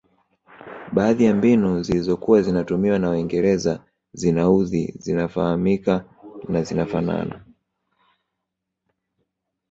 Baadhi ya mbinu zilizokuwa zinatumiwa na waingereza zinaudhi zinafahamika na zinafanana